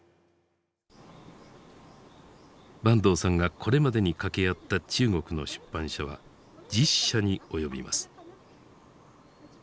坂東さんがこれまでに掛け合った中国の出版社は１０社に及びます。